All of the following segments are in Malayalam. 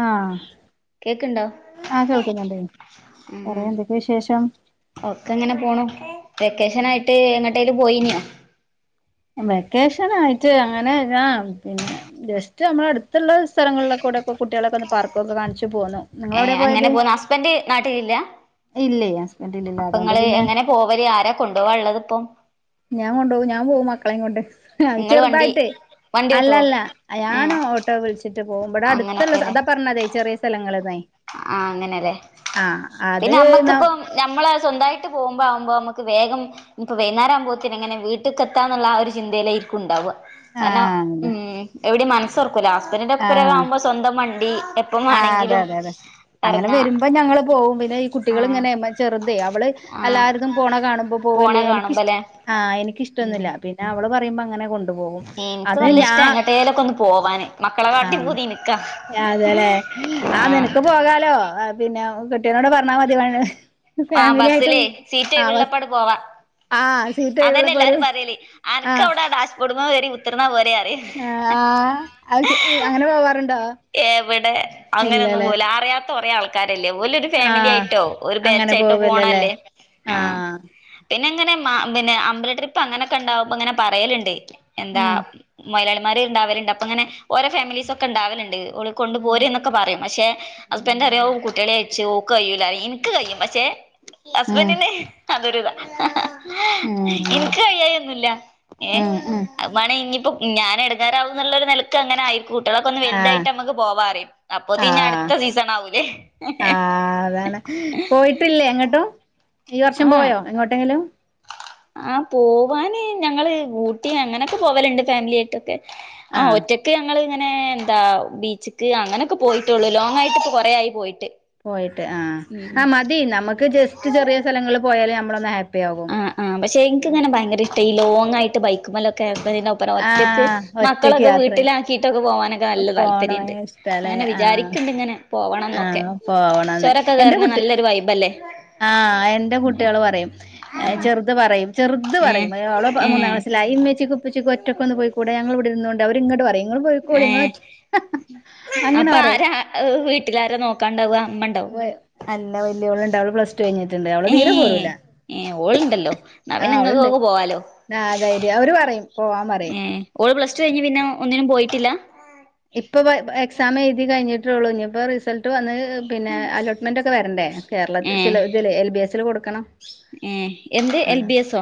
ആ കേക്ക്ണ്ടോ ആ കേൾക്കുന്നുണ്ട് ഉം പറയ് എന്തൊക്കെയ വിശേഷം ഒക്കെ ങ്ങനെ പോണം. വെക്കേഷൻ ആയിട്ട് എങ്ങട്ടേലും പോയിന്യോ വെക്കേഷൻ ആയിട്ട് അങ്ങനെ ഞാ പിന്നെ ജസ്റ്റ് നമ്മൾ അടുത്തുള്ള സ്ഥലങ്ങളിലൊക്കെ കൂടെക്കെ കുട്ടികളൊക്കെ ഒന്ന് പാർക്കൊക്കെ കാണിച്ച് പോന്ന് ഏ അങ്ങനെ പോന്ന ഹസ്ബൻഡ് നാട്ടിലില്ല ഇല്ലേ ഹസ്ബൻഡ് ഇല്ല അപ്പൊ ഇങ്ങള് എങ്ങനെ പോവല് ആര കൊണ്ടുപോകാ ഉള്ളത് ഇപ്പം ഞാകൊണ്ടോവും ഞാപോവും മക്കളെം കൊണ്ട് ഇങ്ങള് വണ്ടി ചെർതായിട്ടേ. വണ്ടി ഓട്ടോ അല്ലല്ല ഏ ഞാനും ഓട്ടോ വിളിച്ചിട്ട് പോവും, മ്പടടുത്തുള്ള അങ്ങനൊക്കെല്ലേ അതാ പറഞ്ഞതെ ചെറിയ, ചെറിയ- സ്ഥലങ്ങള് തായി ആ അങ്ങനെല്ലേ ആഹാ അത് പിന്നെ ന- നമ്മക്കിപ്പം നമ്മള് സ്വന്തായിട്ട് പോകുമ്പ- ആവുമ്പോ നമ്മക്ക് വേഗം. ഞ്പ്പ വൈന്നാരാമ്പോത്തിന് എങ്ങനെ വീട്ട്ക്കെത്താന്ന്ള്ള ആ ഒരു ചിന്തയിലേര്ക്കു അ്ണ്ടാവ. കാരണം ആഹ് അതെ ഉം എവിടെയും മനസ്സോറക്കൂല ഹസ്ബൻഡ് ന്റെ ആഹ് ഒപ്പരാക്കാവുമ്പോ സ്വന്തം വണ്ടി ആഹ് അതെ പ്പമാണെങ്കിലും. അതെ അതെ അങ്ങനെ വരുമ്പം ഞങ്ങള് പോവും പിന്നെ ഈ ആഹ് കുട്ടികള്ങ്ങനെ മ ചെർതേ അവള്. ആഹ് എല്ലാര്തും പോണെ കാണുമ്പോ പോണ പോവല്ലേ എനിക്കിഷ് കാണുമ്പല്ലേ ആ ഉം എനിക്കിഷ്ട്ടോന്നുല്ല പിന്നെ അവള് പറയുമ്പോ അങ്ങനെ കൊ എനിക്ക് അത് നല്ല ഞാ ഇഷ്ടാ എങ്ങട്ടേലൊക്കെ ഒന്ന് പോവാന് മക്കളെ അ കാട്ടി പൂതി ഇനിക്കാ അതെലെ ആഹാ ആഹ് നിനക്ക് പോകാലോ പിന്നെ കെട്ടിയോനോട് പറഞ്ഞാൽ മതി. ആഹാ ഫാമിലി ആയിട്ട് ബസ്സിലേ സീറ്റ് ആഹ് ബസ് ഒഴിവ്ള്ളപ്പാട് പോവാ. ആഹ് സീറ്റ് ഒഴിവുള്ളപ്പോ ഒരു അതന്നെല്ലാരും പറ്യല് ആഹ് അൻക്കൗടെ ഡാഷ് ബോഡു മേ കേറി കുത്തർന്നാ പോരെ അറിം. എ ആഹ് അത് ചെ അങ്ങനെ പോവാറുണ്ടോ ഇല്ലലെ. അറിയാത്തോറെ ആൾ ആൾക്കാരല്ലേ ഓലോരു ഫാമിലി ആയിട്ടോ ഒരു അങ്ങനെ ബാച്ചായിട്ടോ പോവല്ലല്ലേ പോണല്ലേ ആ ആഹ് പിന്നെ ഇങ്ങനെ മ പിന്നെ അമ്പല ട്രിപ്പ് അങ്ങനൊക്ക എണ്ടാവുമ്പ ഇങ്ങനെ പറയലിണ്ടേ എന്താ ഉം മൊയ്ലാളിമാര് ണ്ടാവല്ണ്ട് അപ്പങ്ങനെ ഓരോ ഫാമിലീസൊക്കെണ്ടാവല്ണ്ട്. ള് കൊണ്ട് ഉം പോര് ന്നൊക്കെ പറിം. പക്ഷെ ഹസ്ബൻഡറിയും ഉം ഔഹ് കുട്ട്യേളെയ്റ്റ് ഓക് കയ്യൂല്ല പറിം ഇൻക്ക് കഴിയും പക്ഷെ ചെ ഉം ഹസ്ബൻഡ് ന് അതൊരുതാ. ഉം ഇന്ക്ക് കഴിയായി ഒന്നുല്ല ഹേ... ഉം ഉം ! അത് വാന്നെ ഇഞ്ഞിപ്പ ഞാനെടങ്ങേറാവുന്നുള്ളൊരു നിലക്ക് അങ്ങനെ ആയിരിക്കും. കുട്ട്യേളൊക്കെ ഒന്ന് ആഹ് വൽതായിട്ട് നമ്മക്ക് പോവാ റിം. അപ്പോത്തി ആഹ് ഇഞടുത്ത സീസൺ ആവൂലേ ആഹ് അതാണ് പോയിട്ടില്ലേ എങ്ങട്ടും ഈ വർഷം പോയോ എങ്ങോട്ടെങ്കിലും. ആഹാ പോവാന് ഞങ്ങള് ഊട്ടി അങ്ങനൊക്കെ പോവലുണ്ട് ഫാമിലി ആയിട്ടൊക്കെ. ആഹാ ആഹ് ഒറ്റക്ക്‌- ക്ക് ഞങ്ങളിങ്ങനെ എന്താ ബീച്ച്ക്ക് അങ്ങനെയൊക്കെ പോയിട്ടുള്ളു ലോങ് ആയിട്ട് ഇപ്പോ കൊറെയായി പോയിട്ട് പോയിട്ട് ആഹ്. ഉം ആ മതി നമുക്ക് ജസ്റ്റ് ചെറിയ സ്ഥലങ്ങളിൽ പോയാല് നമ്മളൊന്ന് ഹാപ്പി ആകും അ ആഹ് പക്ഷെ ഇൻക്ക്ങ്ങനെ ഭയങ്കര ഇഷ്ട ഈ ലോങ്ങായിട്ട് ബൈക്ക്മ്മലൊക്കെ [unintelligible] ഗം. പറ ഒറ്റക്ക് ആഹ് ഒറ്റക്ക് മക്കളൊക്കെ യാത്ര വീട്ടിലാ ക്കീട്ടൊക്കെ പോകാനൊക്കെ നല്ല പോണ താല്പര്യംണ്ട് ഇഷ്ടല്ലേ അങ്ങനെ ആഹ് വിചാരിക്ക്ണ്ട് ഇങ്ങനെ പോവണംന്നൊക്കെ ആഹ് പോവണംന്ന് ചൊരൊക്കെ എന്റെ കേറ്ണത് കുട്ടി നല്ലൊരു വൈബല്ലേ ആഹ് എന്റെ കുട്ടിയേള് പറിം ചെറുത് പറയും ചെറുത് ഏഹ് പറയും ഓള് മൂന്നാ ഏഹ് ക്ലാസിലാ ഈ ഇമ്മച്ചിക്കും ഇപ്പച്ചിക്കും ഒറ്റക്കൊന്ന് പോയി കൂടെ ഞങ്ങള് വിടിര്ന്നോണ്ട് അവരിങ്ങട്ട് പറിം ങ്ങൾ പൊയ്ക്കോളി ങ്ങളറ്റ് അങ്ങനെ പറി. ആഹാ വീട്ടിലാര നോക്കാണ്ടാവ, അമ്മണ്ടോ? വ- അല്ല വല്യോള്ണ്ട് അവള് പ്ലസ്റ്റു കഴിഞ്ഞിട്ട്ണ്ട് അവള് തീരെ ഏഹ് പോരൂല ഏഹ് ഓള് ണ്ടല്ലോ ന്നാ ആഹ് അവളുണ്ട് പിന്നെങ്ങക്കൊക്കെ പോവാലോ ആഹ് ധൈര്യം അവര് പറയും പോവാൻ പറയും ഏഹ് ഓൾ പ്ലസ് ടു കഴിഞ് പിന്നെ ഒന്നിനും പോയിട്ടില്ല ഇപ്പൊ വ എക്സാം എഴുതി കഴിഞ്ഞിട്ടേ ഉള്ളൂ ഇനീപ്പ റിസൾട്ട് വന്ന് പിന്ന അലോട്ട്മെന്റ് ഒക്കെ വരണ്ടേ കേരളത്തില് സില ഇതില് എൽ. ബി. എസിൽ കൊടുക്കണം. ഏ എന്ത് എൽ ബി എസോ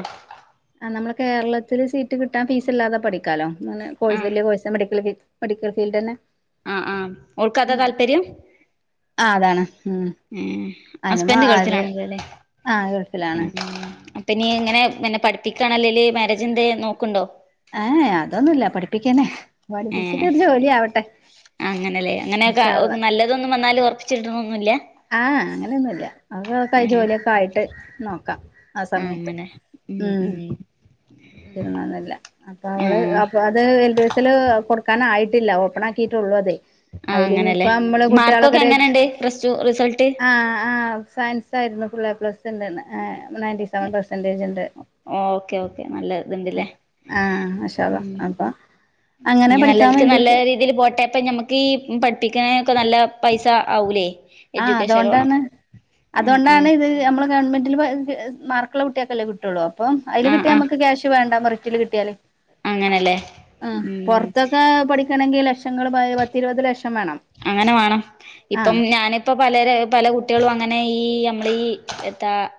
ആ നമ്മള് കേരളത്തിൽ സീറ്റ് കിട്ടാൻ ഫീസ് ഇല്ലാതെ പഠി ക്കാലോ. ന്നാ ന്നെ കോഴ്സ് ആഹ് വലിയ കോഴ്സ് മെഡിക്കൽ മെഡിക്കൽ ഫീൽഡന്നെ ആഹാ ആഹാ ഓൾക്കതാ താല്പര്യം? ആഹ് അതാണ് ഉം ഉം അയ്ന് മാ ഹസ്ബൻഡ് ത് ഗൾഫിലാണല്ലോ അല്ലേ ആഹ് ഗൾഫിലാണ് പിന്നെ ഇയ്യ് ഇങ്ങനെ പിന്നെ പഠിപ്പിക്കാണെ അല്ലേല് മാരേജെ ന്തേം നോക്ണ്ടോ ഏ അതൊന്നുല്ല പഠിപ്പിക്കന്നെ, പഠിപ്പിച്ചിട്ടോരു ജോലി ആവട്ടെ. അങ്ങനല്ലേ അങ്ങനെയൊക്കെ ഇൻഷാ അള്ളാ നല്ലതൊന്നും വന്നാല് ഉറപ്പിച്ചിട്ണോന്നുല്ല ആ അങ്ങനെയൊന്നുല്ല അതൊക്ക ഏഹ് ജോലിയൊക്കെ ആയിട്ട് നോക്കാ ആ സമയത്ത് ഉം [unintelligible] ന്ന്ല്ല. അപ്പ അവള് ആഹ് അപ്പ അത് എൽ ബി എസിൽ കൊടുക്കാനായിട്ടില്ല ഓപ്പൺ ആക്കിയിട്ടുള്ളൂ അതേ ആഹ് അങ്ങനെ ല്ലേ മാർക്കൊക്കെ എങ്ങനെണ്ട്? ഫ്രസ്റ്റു റിസൾട്ട് ആ ആ സയൻസ് ആയിരുന്നു ഫുള്ളെ പ്ലസ് ഉണ്ട്ര്ന്ന് നയന്റി സെവൻ പെർസെന്റേജ് ഉണ്ട് ഓ ഓക്കെ ഓക്കെ നല്ല ഇതുണ്ട്ല്ലേ. ആഹ് മാഷാ അള്ളാ ഉം... അപ്പൊ ! അങ്ങനെ ഇഞ്ഞി പഠിക്കാൻ നല്ലൽക്ക് നല്ല വേണ്ടിട്ട് രീതീല് പോട്ടെ ഇപ്പ നമ്മക്ക് ഈ പഠിപ്പിക്കന്നൊക്കെ നല്ല പൈസ ആവൂലെ ആഹാ അതുകൊണ്ടാണ്, ആഹ് അതുകൊണ്ടാണ് ആഹ് ഇത് നമ്മള്- ഗവൺമെന്റില് മാർക്കുള്ള കുട്യാക്കല്ലേ കിട്ടുള്ളു. ട്ടുള്ളൂ അപ്പം അയ്ല് ആഹ് കിട്ടിയാ ആഹ് നമുക്ക് ക്യാഷ് വേണ്ട മെറിറ്റില് കിട്ടിയാല് അങ്ങനല്ലേ ആഹ് ഉം പൊറത്തൊക്കെ പഠിക്കണെങ്കി ലക്ഷങ്ങള് പയ് പത്തിരുപത് ലക്ഷം വേണം അങ്ങനെ വേണം ഇപ്പം ആഹ് ഞാന് ഇപ്പോ പലരെ പല കുട്ടികളും, അങ്ങനെ ഈ നമ്മള ഈ എത്താ-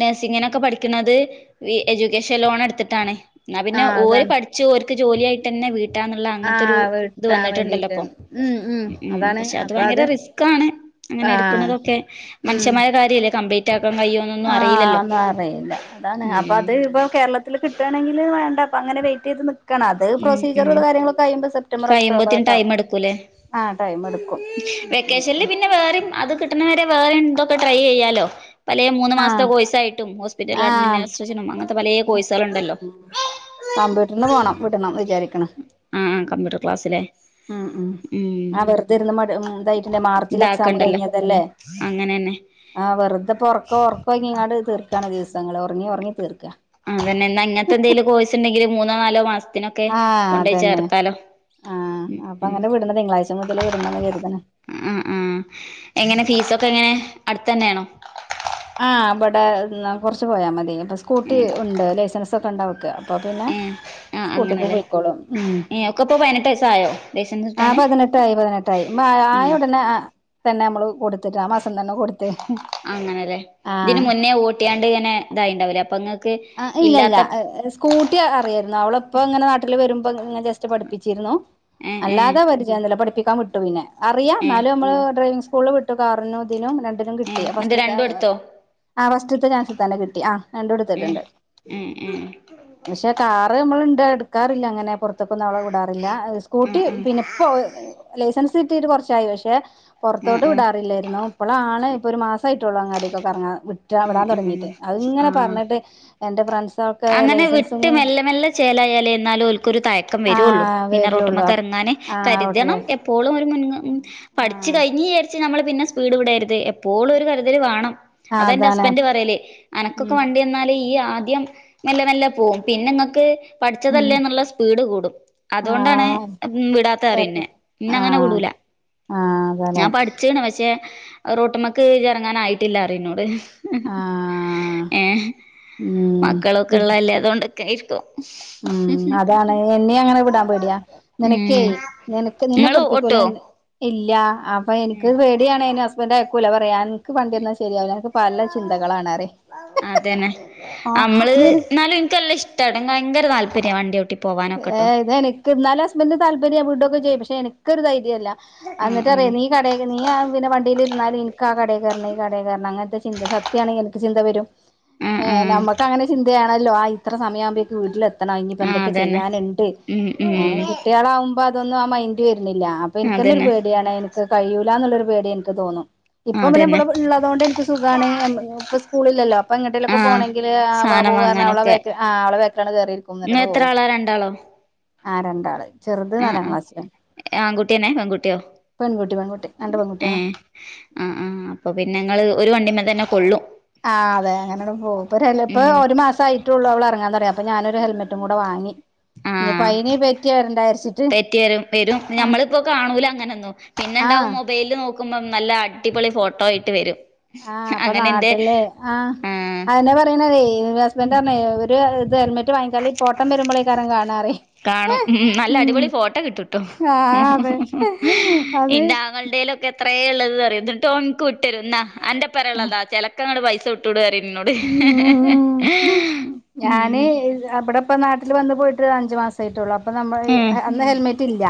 നഴ്സിങ്ങിനൊക്കെ പഠിക്കണത് എജ്യൂക്കേഷൻ ലോൺ എടുത്തിട്ടാണ് എന്നാ പിന്നെ ആഹ് ഓര് അതാണ് പഠിച്ചു ഓർക്ക് ജോലിയ ആയിട്ടന്നെ വീട്ടാന്നുള്ള അങ്ങനത്തെ ഒരു ആഹ് ഇത് കിട്ടാൻ വന്നിട്ടുണ്ടല്ലോ വേണ്ടിട്ട് ഇപ്പൊ ഉം ഉ ഉം അതാണ് പക്ഷെ അത് അപ്പൊ ഭയങ്കര റിസ്കാണ്. അങ്ങനെ ആഹ് എടുക്ക്ണതൊക്കെ. ഉം മനുഷ്യമാരെ കാര്യല്ലേ. കമ്പ [unintelligible] കായോം ആഹ് ഒന്നും അറിയില്ല അതാണ് അപ്പോ ഉം അത് ഇപ്പോ കേരളത്തി [unintelligible] കിട്ടാണെങ്കിൽ വേണ്ട പ്പ അങ്ങനെ വെയിറ്റയ്ത് ന്ന് ക്കണം അത് ഉം പ്രൊസീജിയറുക ഉം കാര്യങ്ങളൊക്കെ അയുമ്പോ സെപ്റ്റംബർ ഒക്ടോബറ കഴിയുമ്പോത്തിന് ഒക്കെ ആകും ടൈം എടുക്കൂലേ ആഹ് ടൈം എടുക്കും ഉമ് ആഹ് താ കിട്ടുന്നവരെ വേറെ എന്തൊക്കെ ട്രൈ ചെയ്യാലോ പലേ മൂന്ന് മാസത്തെ ആഹ് കോഴ്സായിട്ടും ഹോസ്പിറ്റൽ ആഹ് അഡ്മിനിസ് അങ്ങനത്തെ പലേ കോഴ്സാൾണ്ടല്ലോ കംബ്യൂട്ടറിന് പോകണം വിടണം വിചാരികണ് ഉം ഉംആ കമ്പ്യൂട്ടർ ക്ലാസ്സിലേ ഉം ഉം ആ വെറുത ഇരുന്ന് മ ഇതായിട്ടന്റെ മാർച്ചിൽ എക്സാം കഴിഞ്ഞതല്ലേ അങ്ങനന്നെ ആഹ് വെറുതപ്പൊ ഒറക്കോ ഒറക്കോ ഇങ്ങ ഇങ്ങാട് തീർക്കാണ് ദിവസങ്ങള് ഒറങ്ങി ഒറങ്ങി തീർക്കാ അതന്നെ എന്നാ ഇങ്ങത്തെന്തെലും കോഴ്സ് ഇണ്ടെങ്കില് മൂന്നോ നാലോ മാസത്തിനോക്കെ ആഹ് കൊണ്ടോയി അതന്നെ ചേർത്താലോ ആഹ് ഉം അപ്പോങ്ങനെ വിട്ന്ന് തിങ്കളാഴ്ച മുതല് വിടണന്ന് കരുതണ് ഉംഉം എങ്ങനെ ഫീസ ഒക്കെ എങ്ങനെ അടുത്തന്നേണോ ആഹ് ഇബടെ കൊറച്ച് പോയാ മതി അപ്പോ സ്കൂട്ടി ഏഹ് ഉണ്ട് ലൈസൻസൊക്കെ ഉണ്ട് അവക്ക് അപ്പോൾ പിന്നെ ഏഹ് ആഹ് സ്കൂട്ടിക്ക് അങ്ങനെല്ലേ പോയിക്കോളും ഉം ഏഹ് ഒക്കെ ഇപ്പൊ പതിനെട്ട് വയസ്സായോ ലൈസൻസ് ആ കിട്ടാന് പതിനെട്ടായി പതിനെട്ട് ടൈമ് ആഹ്‌ ആയ ഏഹ് ഒടനെ തന്നെ നമ്മള് കൊടുത്തിട്ട് ആ മാസം തന്നെ കൊടുത്ത് അങ്ങനെല്ലെ ഇതിന് ആഹ് മുന്നേ വോട്ടിയാണ്ട് ഇങ്ങനെ ഇതായിണ്ടാവില്ലേ അപ്പോ ഇങ്ങക്ക് ഇല്ല ഇല്ല ഇല്ലാത്ത സ്കൂട്ടി അറിയായിരുന്നു അവളിപ്പോ ഇങ്ങനെ നാട്ടിൽ വരുമ്പോനെ ജസ്റ്റ് പഠിപ്പിച്ചിരുന്നു ഏ ഏ അല്ലാ പരിചയ പഠപ്പിക്കാൻ വിട്ടു പിന്നെ അറിയാം ഏ എന്നാലും നമ്മള് ഡ്രൈവിംഗ് സ്കൂളിൽ വിട്ട കാറിനും ഇതിനും രണ്ടിനും ഏ കിട്ടി എന്നിട്ട് ഫസ്റ്റ്ത്തെ രണ്ടും എടുത്തോ ആഹ് ഫസ്റ്റ്ത്തെ ചാൻസ് തന്നെ കിട്ടി ആ് ഏ രണ്ടുടുത്തിട്ടുണ്ട് ഏ ഏ പക്ഷെ കാറ് മ്മൾ ഇണ്ട് എടുക്കാറില്ല അങ്ങനെ പുറ കൊന്നും അവളെ വിടാറില്ല ആ സ്കൂട്ടി ആ പിന്നെ ഇപ്പോ ലൈസൻസ് കിട്ടീട്ട് കൊറച്ചായി പക്ഷെ ആ പൊറത്തോട്ട് വിടാറില്ലാരുന്നു ഇപ്പോളാണ് ഇപ്പോ ഒരു മാസായിട്ടുള്ളൂ അങ്ങാടിക്കക്കെ എറങ്ങാ വി ആ വിടാൻ തുടങ്ങിയിട്ട് ആ ആ അത്ങ്ങനെ ആ പറഞ്ഞിട്ട് എന്റെ ഫ്രണ്ട്സൊക്കെ അങ്ങനെ ലൈസൻസും വിട്ട് മെല്ലെ മെല്ലെ ചേലായാലേ എന്നാലും ഓല്ക്കൊരു തയക്കം ആ വരുള്ളൂ പിന്നെ വരുള്ളൂ റോട്ടുമക്കറങ്ങാൻ ന്നാല് ആ റോട്ടില് കരുതണം എപ്പോളും ഒരു മുൻ ആ പഠി ഇച്ച് കഴിഞ്ഞരിച്ച് നമ്മൾ പിന്നെ സ്പീഡ് വിടരുത് എപ്പോളും ഒരു കരുതൽ വാണം ആ അതാന്റെ അതാണ് ഹസ്ബൻറ് പറയല് ഉം അനക്കൊക്കെ വണ്ടിന്നാല് ഈ ആദ്യം മെല്ലെ മെല്ലെ പോവും പിന്നെ നിങ്ങക്ക് ഉം പഠിച്ചതല്ലേന്നുള്ള സ്പീഡ് കൂടും ആ അതുകൊണ്ടാണ് വിടാത്ത അറിന്നെ തരാം ഇന്ന ആ അങ്ങനെ വിടൂല ആ അതല്ലെ ഞാൻ പഠിച്ചേണ് പക്ഷെ റോട്ട്മ്മക്ക് ഇറങ്ങാൻ ആയിട്ടില്ലാറിയും എന്നോട് ആഹ് ഉം മക്കളൊക്കെള്ളതല്ല അതുകൊണ്ടൊക്കെയിരിക്കും ഉം അതാണ് എന്നെ അങ്ങനെ വിടാൻ പേടിയാ ഉം നിനക്കേയ് നിനക്ക് നിന്നെ ഇങ്ങള് പഠിപ്പിക്കൂല ഓട്ടോ ഇല്ല അപ്പൊ എനിക്ക് പേടിയാണ് അയ്ന് ഹസ്ബൻഡയക്കൂല പറയാൻ ക്ക് വണ്ടി തന്നാ ശെരിയാവൂല അൻക് പല ചിന്തകൾ ആ പറയും അതന്നെ ആഹ് അമ്മള് നിന ന്നാലും ഇൻകല്ലാം ഇഷ്ടണ് ഭയങ്കര താല്പര്യ വണ്ടി ഓട്ടി പോവാനൊക്കെട്ടോ ഏഹ് ഇതെനിക്ക് എന്നാലും ഹസ്ബൻറ്റ് താല്പര്യം വീടുക്കെ ചെയും പഷേ എനക്കൊരു ധൈര്യല്ലാ ആഹ് അന്നിട്ട് റായ നീ ഈ കട നീ പിന്നെ വണ്ടിൽിരുന്നാലും എനിക്ക് ആ കടയി കറണം ഈ കടയി കറണം അങ്ങനത്തെ ചിന്ത സത്യാണെിൽ എനിക്ക് ചിന്ത വരും ആഹ് ആഹ് ഏർ ആഹ് നമുക്കങ്ങെനെ ചിന്തയാണല്ലോ ഇത്ര സമയവുമ്പോക്ക് വീട്ടിലെത്തണം ഇനിപ്പ ആഹ് എന്തൊക്കെ അതന്നെ ചെയ്യാനുണ്ട് ഉം ഉം ഏകുട്ട്യാളാവുമ്പോ അതൊന്നും ആ മൈന്റ് വരുന്നില്ല അപ്പൊ എനിക്കന്നെ ഒരു അതന്നെ പേടിയാണ്. എനിക്ക് കഴിയൂലന്നുള്ളൊരു പേടി എനിക്ക് തോന്നും. ഇപ്പൊ അതന്നെ [unintelligible] ഉള്ളതോണ്ട് എനിക്ക് സുഖാണ് ഇപ്പ സ്കൂളില്ലല്ലോ അപ്പൊ എങ്ങട്ടേിലൊക്കെ ആഹ് പോണമെങ്കിൽ ആ സാനം പോവകാരണം അവളെ ബേക്ക ആ അവളെ ബേക്കലങ്ങാട്ട് കേറിയിരിക്കും ഒ [unintelligible] എത്രളാ രണ്ടാളോ ആ രണ്ടാള് ചെറുത് നാലാം ആഹ് ക്ലാസ് ആഹ് പെൺകുട്ടി പെൺകുട്ടി രണ്ട് ഏ പെൺകുട്ടികളാ അ ആഹ് അപ്പപിന്നെങ്ങള് ഒരു വണ്ടിമ്മ തന്നെ കൊള്ളും. ആഹ് അതെ അങ്ങനെ പോ [unintelligible] ഉം ഒരു മാസ ആയിട്ടേള്ളൂ അവളെറങ്ങാൻ തൊ അപ്പോ ഞാനൊരു ഹെൽമറ്റും കൂടെ വാങ്ങി ഇനിപ്പ ആഹ അയിന് പറ്റി വരണ്ടാരിച്ചിട്ട് തെറ്റ്യര് വരും ആ ഞമ്മളിപ്പോ കാണൂല അങ്ങനെന്നും ആ പിന്നെണ്ടാവു മൊ- വെയ്ല് മുക്കുമ്പോം നല്ല അടിപൊളി ഫോട്ടോ ആയിട്ട് വരും ആഹ് അപ്പൊ അങ്ങനെ എന്റെ നാട്ടില് ആഹ് അയന്നെ പറയണത ഹസ്ബൻറ് പറഞ്ഞ ഒരു ഇത് ഹെൽമെറ്റ് വാങ്ങിച്ചാല് പോട്ടം വരുമ്പോഴേക്കാര കാണാറ് കാണും ഉം നല്ല അടിപൊളി ഫോട്ടോ കിട്ടിട്ടോ ആ അതെ അത് ഇന്റാ [unintelligible] എത്രയെ ഇള്ളത് എന്നറിയോ എന്നിട്ട് എനിക്ക് വിട്ടരും അന്റ എപ്പരം ഇള്ളതാ ചെലക്കാണ്ട് പൈസ വി ഉം [unintelligible] [unintelligible] ഇപ്പ നാട്ടില് വന്ന് പോയിട്ട് അഞ്ചു മാസ ആയിട്ടുള്ളൂ അപ്പോ നമ്മ ഏഹ് അന്ന് ഹെൽമെറ്റ് ഇല്ല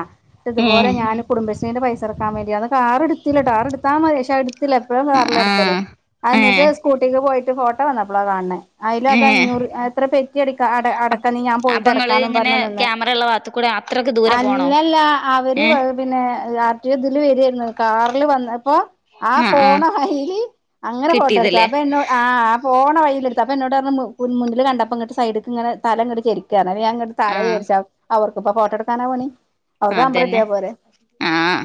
ഇതുപോലെ ഏഹ് ഞാനും കുടുംബശ്രീ ന്റ പൈസ അടക്കാൻ വേണ്ടിയാണ് കാർ എടുത്തില്ലട്ട കാർ എടുത്താൽ മതി പക്ഷെ അത് [unintelligible] എപ്പോഴും കാറില എടുക്കല് ആഹ് അത് ഏഹ് എന്നിസ്കൂട്ടിക്ക് പോയിട്ട് ഫോട്ടോ വന്നപ്പോളാ കാണ് ണെ അയില് അത് ഏഹ് അഞ്ഞൂറ് എത്ര പെറ്റി അട അടക്കാ ഞാൻ അപ്പ പോയിട്ട് ഇങ്ങള് അടക്കാന്ന് ഇങ്ങനെ പറഞ്ഞ് നിന്നേ ക്യാമറ ഉള്ള ഭാഗത്ത് കൂടെ അത്രക്ക് ദൂരെ പോണോ അല്ലല്ല അവര് ഏ പിന്നേ രാത്രിഇതില് വരേര്ന്നു കാർല് വന്ന അപ്പോ ആ ആഹ് ആഹ് പോണ വയില് അങ്ങനെ ഫോട്ടടുത്ത കിട്ടിയതല്ലേ അപ്പോ എന്നോ ആഹ് പോണ വയിലെടുത്താ അപ്പോ എന്നോട് പറഞ്ഞ് മുന്നില് കണ്ടപ്പോ ഇങ്ങട്ട് സൈഡി ഇങ്ങനെ തല ഇങ്ങട്ട് ചെരി ക്കാൻ അന്നേരം ഞാങ്ങട്ട് തല ആഹ് ചെരിച്ച് അവർക്കിപ്പ ഫോട്ടോ എടുക്കാനാ പണി അവർക്ക് നമ്പർ അതന്നെ കിട്ടിയാ പോരെ ആഹ്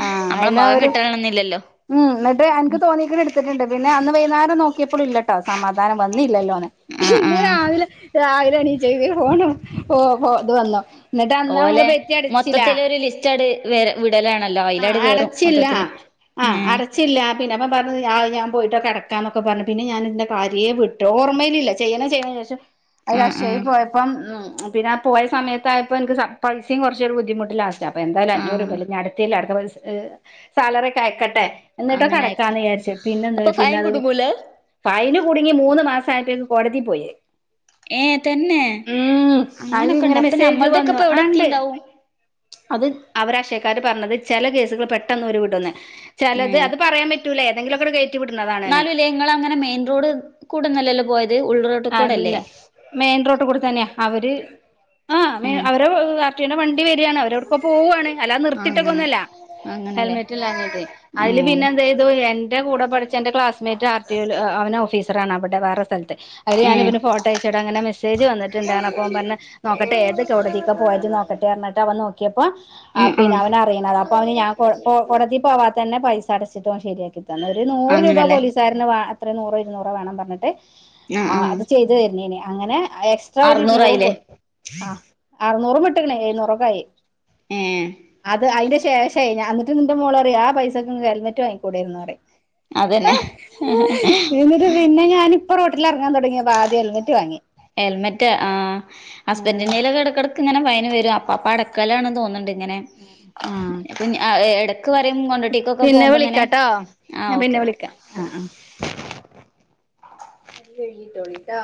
ആ നമ്മള അയില് മുഖം അവര് കിട്ടനണെന്നില്ലെ ഉം എന്നിട്ട് എനിക്ക് തോന്നിയെക്കണ് എടുത്തിട്ടിണ്ട് പിന്നെ അന്ന് വൈന്നേരം നോക്കിയപ്പളും ഇല്ല സമാധാനം വന്നില്ലല്ലോന്ന് ആഹ് ങ്ങനെ ആഹ് ആ രാവിലെ എണീച്ചേയ്ക് പോണ പോ പോ ഇത് വന്നു എന്നിട്ട് അന്ന് ഓലെ നമ്മള് പെറ്റി അടച്ചില്ല മൊത്തത്തിലൊരു ലിസ്റ്റ് ങ്ങട് വിടലാണല്ലോ ആ അയിലട് കേറും മൊത്തത്തില് ഏഹ് ട്ടില്ല പിന്നപ്പം പറഞ്ഞ് ആഹ് അത്‌ ഞാൻ പോയിട്ടക്കെ അടക്കാന്നൊക്കെ പറഞ്ഞു പിന്നെ ഞാൻ [unintelligible] കാരിയെ വിട്ടു ഓർമ്മയിൽ ഇല്ല ചെയ്യണം ചെയ്യണം വിചാരിച്ച അയ്ൻ ആഹ് അക്ഷയിൽ ആഹ് പോയപ്പം ഉമ് പിന്നെ ആ പോയ സമയത്ത ആയപ്പോൾ എനിക്ക് സ പ്രൈസും കുറച്ചൊ ഒരു ബുദ്ധിമുട്ടില്ല അപ്പൊ എന്തായാലും അഞ്ഞൂറ് രൂപ ആഹ് ഇല്ലെ അടുത്തില്ല അടുത്ത സാലറി ഒക്കെയക്കട്ടെ എന്നിട്ടൊക്കെ അങ്ങനായിക്കും അടക്കാന്ന് വിചാരിച്ചത് പിന്നെ എന്തൊ അപ്പൊ ഫൈൻ പിന്നത് കുടുങ്ങൂല ഫൈൻ കുടുങ്ങി മൂന്ന് മാസം ആയിട്ടേക്ക് കോടതി പോയി ഏഹ് തന്നെ ഉം അതില് ഇങ്ങനെ അങ്ങനൊക്കെണ്ടൊ അപ്പൊ മെസ്സേജ് വന്നു നമ്മൾതൊക്കെപ്പ എവിടെ ആ ഇണ്ട് എത്തിണ്ടാവും അത് അവരക്ഷയക്കാര് പറഞ്ഞത് ചെല കേസുകള് പെട്ടെന്നവര് വിടുംന്ന് ചെലത് ഏഹ് അത് പറയാൻ പറ്റൂല ഏതെങ്കിലുംക്കെ കയറ്റി വിടുന്നതാണ്നെ ങ്ങള് അങ്ങനെ മെയിൻ റോഡ് കൂടെ അല്ലല്ലോ പോയത് ഉൾറോഡ് അല്ല മെയിൻ റോഡ് കൂടി തന്നെയ അവര് ആ മെ ഏഹ് അവരെ [unintelligible] വണ്ടി വരിയാണ് അവരോട് ഇപ്പൊ പോവ്വാണ് അല്ലാതെ ആഹ് അങ്ങനെ നിർത്തിട്ടേക്കൊന്നല്ല അങ്ങനല്ലേ ഹെൽമെറ്റില്ലാഞ്ഞിട്ട് അതില് ഉം പിന്നെ എന്തെയ് ഇത്എന്റെ കൂടെ പഠിച്ച എന്റെ ക്ലാസ്മേറ്റ് ആർടിഒൽ അവന് ഓഫീസറാണ് അവിടെ വേറെ സ്ഥലത്ത് അയില് ഉം ഞാനിവന്റെ ഫോട്ടോയച്ചോട അങ്ങനെ മെസേജ് വന്നിട്ടുണ്ട അപ്പ അവൻ പറഞ്ഞ നോക്കട്ടെ ഏത് കോടതിക്ക പോയത്‌ നോക്കട്ടെ പറഞ്ഞിട്ട അവൻ നോക്കിയപ്പോ ആഹ് ഉം പിന്നെ ഉം അവനറിയണത അപ്പ അവന് ഞാൻ കോ കോ കോടതി പോവാ തന്നെ പൈസ അടച്ചിട്ടും ശരിയാക്കി തന്ന് ഒരു നൂറ് രൂപ അങ്ങനല്ലേ പോലീസുകാരന് അത്ര നൂറോ ഇരുന്നൂറോ വേണം പറഞ്ഞിട്ട് ആഹ് ആഹ് അത് ചെയ്തു തരിന്നീനി അങ്ങനെ എക്സ്ട്രാ ഒരു ഇരുന്നൂറും അറുന്നൂറായില്ലേ കൂടി ആ അറു നൂറ് വിട്ട്ക്ക്ണ് എഴുന്നൂർ രൂപ ആയി ഏ അത് അതിന്റെ ശേഷം ഞാ എന്നിട്ട് നിന്റെ മോള് പറയും ആ പൈസക്ക് ഇങ്ങക്ക്‌ ഹെൽമറ്റ് വാങ്ങികൂടെന്ന് പറയും. അതെന്നെ ഇന്ന പിന്ന ഞാനിപ്പ റോട്ടില് ഇറങ്ങാൻതൊടങ്ങി ഹെൽമെറ്റ് ആഹ് ഹസ്ബൻഡന്റെലൊക്കെ ഇടക്കിട ക്ക ഇങ്ങനെ മൈനവരും അപ്പപടക്കലാണ് തോന്നുണ്ട് ഇങ്ങനെ ആ എടക്ക് പറയും കൊണ്ടോണ്ടിക്ക് ഒക്കെ പിന്നെ പോകുമ്പോ ഇങ്ങനെ വിളിക്കാട്ടോ ആ ഞാൻ പിന്നെ ഓക്കെ വിളിക്കാം ആ ആ അരി കഴികിട്ടോളിട്ടാ